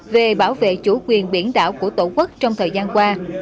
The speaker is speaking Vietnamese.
về bảo vệ chủ quyền biển đảo của tổ quốc trong thời gian qua